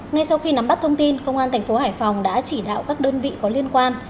ngay sau khi nắm bắt thông tin công an thành phố hải phòng đã chỉ đạo các đơn vị có liên quan